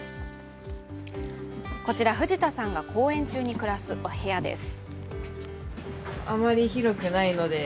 こちら、藤田さんが公演中に暮らすお部屋です。